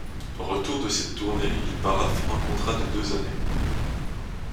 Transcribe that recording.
Au retour de cette tournée, il paraphe un contrat de deux années.